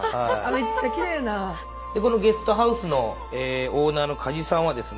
このゲストハウスのオーナーの鍛冶さんはですね